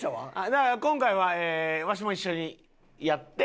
だから今回はわしも一緒にやって。